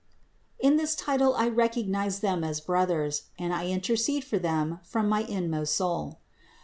In this title I recognize them as brothers and I intercede for them from my inmost soul.